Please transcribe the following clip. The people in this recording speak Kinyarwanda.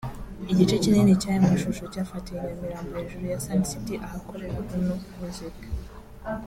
Igice kinini cy’aya mashusho cyafatiwe i Nyamirambo hejuru ya Sun City ahakorera Uno Music